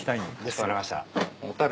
分かりました。